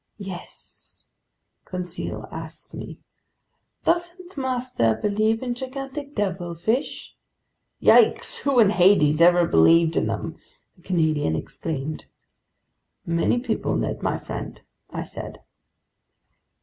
"Yet," Conseil asked me, "doesn't master believe in gigantic devilfish?" "Yikes! Who in Hades ever believed in them?" the Canadian exclaimed. "Many people, Ned my friend," I said.